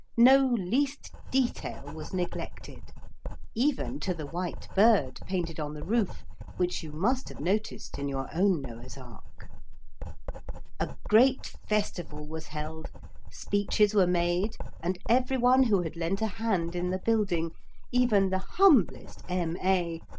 No least detail was neglected. Even to the white bird painted on the roof, which you must have noticed in your own Noah's ark. [Illustration: They loved looking on.] A great festival was held, speeches were made, and every one who had lent a hand in the building, even the humblest M.A.